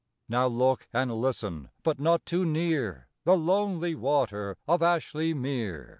Now look and listen! but not too near The lonely water of Ashly Mere!